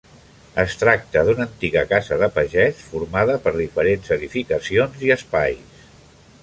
Es tracta d'una antiga casa de pagès formada per diferents edificacions i espais.